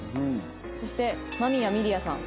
そして間宮みりあさん。